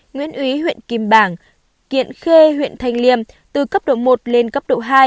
nguyễn úy huyện kim bảng kiện khê huyện thanh liêm từ cấp độ một lên cấp độ hai